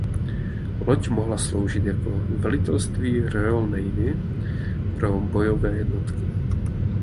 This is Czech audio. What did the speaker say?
Loď mohla sloužit jako velitelství Royal Navy pro bojové jednotky.